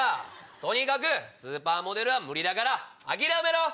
とにかくスーパーモデルは無理だから諦めろ！